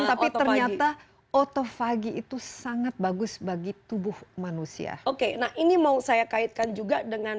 tapi ternyata otofagi itu sangat bagus bagi tubuh manusia oke nah ini mau saya kaitkan juga dengan